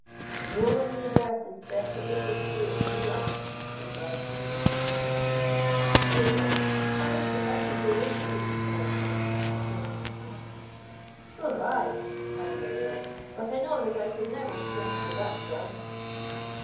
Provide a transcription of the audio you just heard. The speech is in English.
"No one in the berth is better able to do it than you are," replied both his companions. "Oh Jack, I wish that I could go with you," cried Murray, as he wrung his hand. "So do I," added Adair; "but I know that I could never swim through that surf."